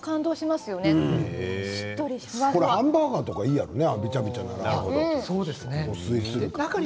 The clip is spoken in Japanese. これハンバーガーとかいいよね。